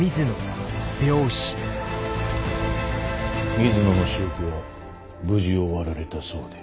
水野の仕置きは無事終わられたそうで。